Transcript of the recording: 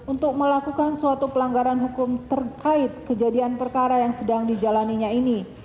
untuk melakukan suatu pelanggaran hukum terkait kejadian perkara yang sedang dijalaninya ini